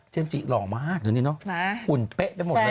เจมส์จิหล่อมากหุ่นเป๊ะได้หมดเลย